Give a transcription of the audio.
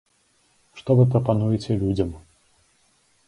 Што вы прапануеце людзям?